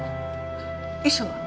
遺書は？